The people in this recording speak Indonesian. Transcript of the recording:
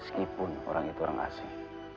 meskipun orang itu orang asing